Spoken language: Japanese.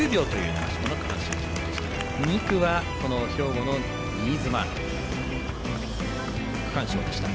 ２区は、兵庫の新妻が区間賞でした。